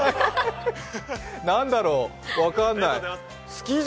何だろう、分かんない、スキー場？